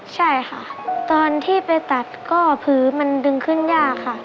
ใช่ค่ะตอนที่ไปตัดก็คือมันดึงขึ้นยากค่ะ